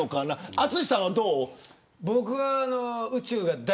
淳さんはどう。